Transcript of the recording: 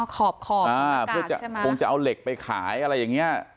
ขอบเพื่อจะคงจะเอาเหล็กไปขายอะไรอย่างนี้